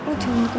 oh jangan gitu